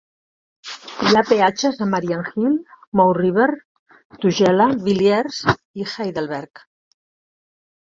Hi ha peatges a Marianhill, Mooiriver, Tugela, Villiers i Heidelberg.